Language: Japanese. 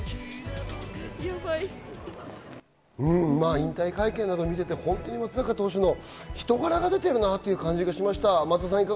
引退会見など見ていて、松坂投手の人柄が出ているなという感じがしました。